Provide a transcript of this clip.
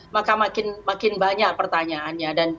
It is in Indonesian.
maka makin banyak pertanyaannya